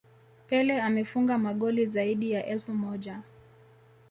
Pele amefunga magoli zaidi ya elfu moja